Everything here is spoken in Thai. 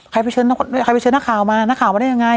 ไปเชิญใครไปเชิญนักข่าวมานักข่าวมาได้ยังไง